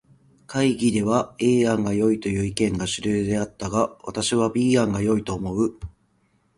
会議では A 案がよいという意見が主流であったが、私は B 案が良いと思う。